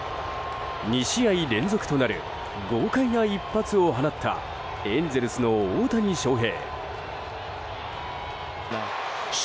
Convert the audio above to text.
２試合連続となる豪快な一発を放ったエンゼルスの大谷翔平。